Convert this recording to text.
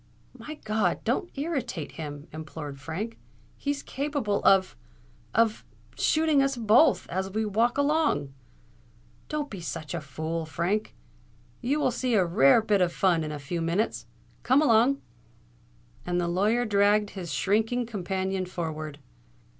"My God! don't irritate him!" implored Frank. "He's capable of——of——shooting us both—as we walk along." "Don't be such a fool, Frank. You will see a rare bit of fun in a few minutes. Come along!"—and the lawyer dragged his shrinking companion forward.